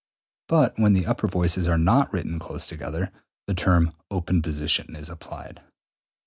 But when the upper voices are not written close together, the term open position is applied.